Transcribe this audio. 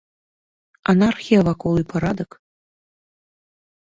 Анархія вакол і парадак!